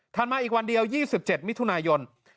มาอีกวันเดียว๒๗มิถุนายน